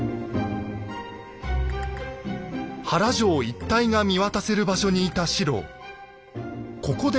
原城一帯が見渡せる場所にいた四郎。